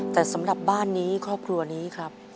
แต่สำหรับบ้านนี้ครอบครัวนี้ครับ